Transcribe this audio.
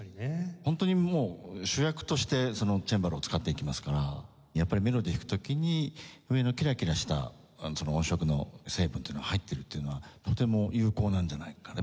ホントにもう主役としてチェンバロを使っていきますからやっぱりメロディー弾く時に上のキラキラした音色の成分っていうのが入ってるっていうのはとても有効なんじゃないかな。